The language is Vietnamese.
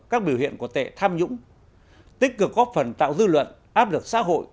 các biểu hiện của tệ tham nhũng tích cực góp phần tạo dư luận áp lực xã hội